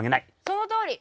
そのとおり！